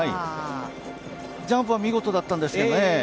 ジャンプは見事だったんですけどね。